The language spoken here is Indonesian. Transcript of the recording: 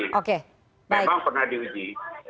memang pernah diuji